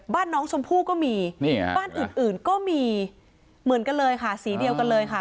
บ้านอื่นก็มีเหมือนกันเลยค่ะสีเดียวกันเลยค่ะ